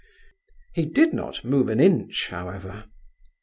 He did not move an inch, however.